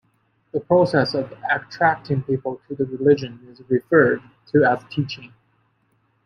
The process of attracting people to the religion is referred to as teaching.